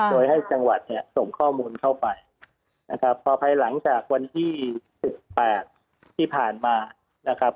โดยให้จังหวัดเนี่ยส่งข้อมูลเข้าไปนะครับพอภายหลังจากวันที่สิบแปดที่ผ่านมานะครับ